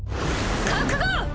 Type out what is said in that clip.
覚悟！